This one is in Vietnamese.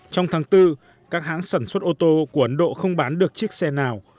trong tháng bốn các hãng sản xuất ô tô của ấn độ không bán được chiếc xe nào